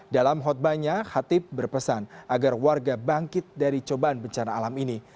dalam khutbahnya khatib berpesan agar warga bangkit dari cobaan bencana alam ini